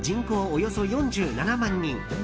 およそ４７万人。